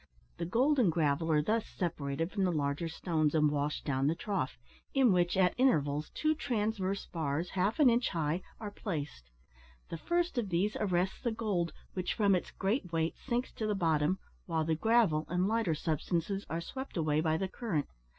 The gold and gravel are thus separated from the larger stones, and washed down the trough, in which, at intervals, two transverse bars, half an inch high, are placed; the first of these arrests the gold, which, from its great weight, sinks to the bottom, while the gravel and lighter substances are swept away by the current.